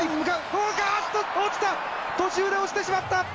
あっと落ちた途中で落ちてしまった。